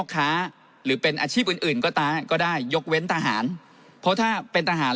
ค้าหรือเป็นอาชีพอื่นอื่นก็ตามก็ได้ยกเว้นทหารเพราะถ้าเป็นทหาร